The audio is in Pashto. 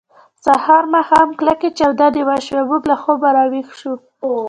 سهار مهال کلکې چاودنې وشوې او موږ له خوبه راویښ شوو